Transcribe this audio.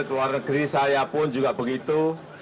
keluar negeri saya pun juga begitu